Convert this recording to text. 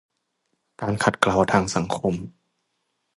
การขัดเกลาทางสังคม